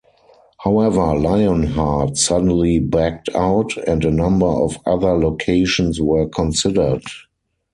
However, Lionheart suddenly backed out, and a number of other locations were considered.